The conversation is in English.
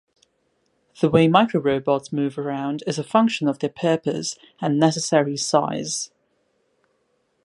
The way microrobots move around is a function of their purpose and necessary size.